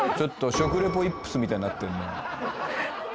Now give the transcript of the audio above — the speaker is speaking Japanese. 食リポイップスみたいになってんな